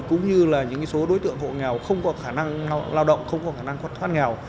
cũng như là những số đối tượng hộ nghèo không có khả năng lao động không có khả năng thoát nghèo